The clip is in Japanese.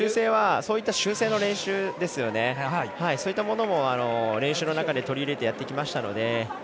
そういった修正の練習そういったものも練習の中に取り入れてやってきましたので。